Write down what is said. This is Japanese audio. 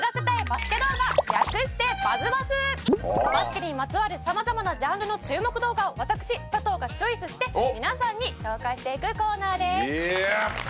バスケにまつわる様々なジャンルの注目動画を私佐藤がチョイスして皆さんに紹介していくコーナーです。